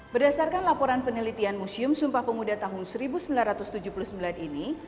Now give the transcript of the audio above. berdasarkan laporan penelitian museum sumpah pemuda tahun seribu sembilan ratus tujuh puluh sembilan ini